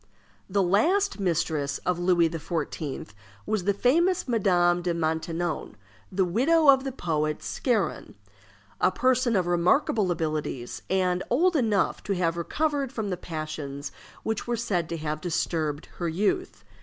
The last mistress of Louis XIV. was the famous Madame de Maintenon, the widow of the poet Scarron; a person of remarkable abilities, and old enough to have recovered from the passions which were said to have disturbed her youth.